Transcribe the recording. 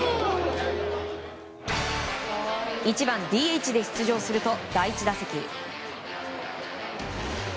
１番ＤＨで出場すると第１打席。